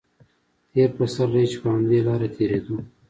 تېر پسرلی چې په همدې لاره تېرېدو.